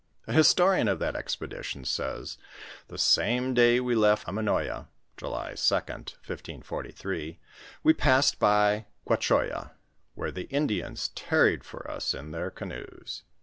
The historian of that expedition, says "The aame day we left Aminoya (July 2d, 1648), we passed by Guaehoya, where the Indians tarried for us in their canoes."